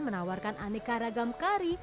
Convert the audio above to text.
menawarkan aneka ragam kari